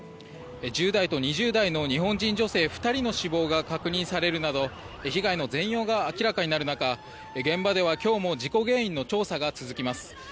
１０代と２０代の日本人女性２人の死亡が確認されるなど被害の全容が明らかになる中現場では今日も事故原因の調査が続きます。